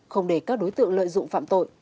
không để các đối tượng lợi dụng phạm tội